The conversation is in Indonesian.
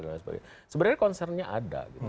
dan lain sebagainya sebenarnya concernnya ada